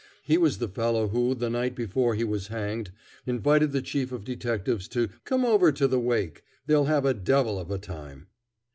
He was the fellow who the night before he was hanged invited the Chief of Detectives to "come over to the wake; they'll have a devil of a time."